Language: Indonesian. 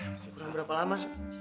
masih kurang berapa lama